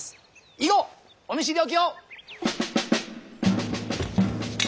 以後お見知りおきを！